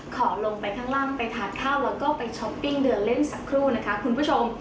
ขอลงไปข้างล่างไปทานข้าวแล้วก็ไปช้อปปิ้งเดินเล่นสักครู่นะคะคุณผู้ชม